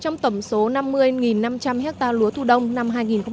trong tầm số năm mươi năm trăm linh hectare lúa thu đông năm hai nghìn một mươi sáu